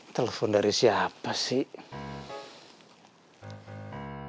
telepon dari siapa sih